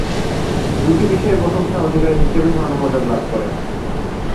দুটি বিষয়েই প্রথম স্থান অধিকারী হিসাবে স্বর্ণ পদক লাভ করেন।